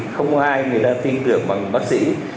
không có ai người ta tin được bằng bác sĩ